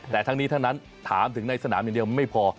แต่ทั้งนี้ทั้งนั้นถามถึงในสนามอย่างเดียวไม่พอ